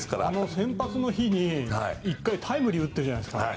先発の日に１回、タイムリーを打ってるじゃないですか。